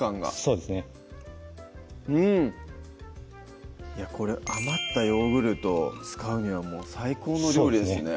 うんこれ余ったヨーグルト使うには最高の料理ですね